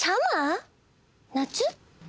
夏？